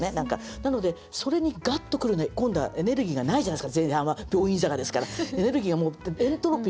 なのでそれにガッと来るね今度はエネルギーがないじゃないですか前半は「病院坂」ですから。